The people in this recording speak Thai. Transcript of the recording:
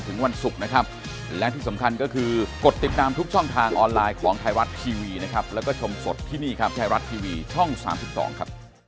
ผมไม่ได้ออกไปข้างนอกเลยครับ